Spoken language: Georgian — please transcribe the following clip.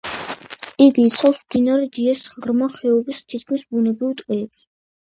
იგი იცავს მდინარე დიეს ღრმა ხეობის თითქმის ბუნებრივ ტყეებს.